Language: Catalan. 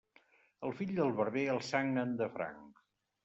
El fill del barber el sagnen de franc.